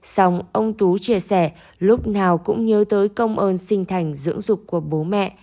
xong ông tú chia sẻ lúc nào cũng nhớ tới công ơn sinh thành dưỡng dục của bố mẹ